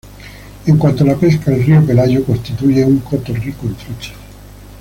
En cuanto la pesca, el río Pelayo constituye un coto rico en truchas.